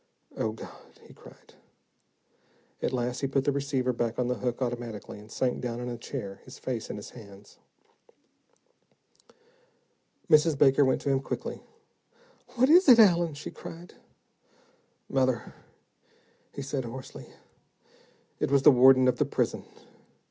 "Oh, God," he cried. At last, he put the receiver back on the hook, automatically, and sank down in a chair, his face in his hands. Mrs. Baker went to him quickly. "What is it, Allen?" she cried. "Mother," he said hoarsely, "it was the warden of the prison.